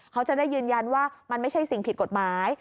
เขาจะได้ยืนยันว่ามันไม่ใช่สิ่งผิดกฎหมาย